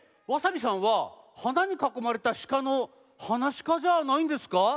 わさびさんは「はな」にかこまれた「しか」の「はなしか」じゃないんですか？